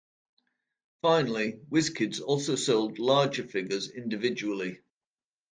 Finally, Wiz Kids also sold larger figures individually.